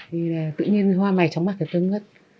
thì tự nhiên hoa mày trong mặt thì tôi ngất